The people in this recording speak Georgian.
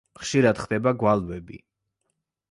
ხშირად ხდება გვალვები.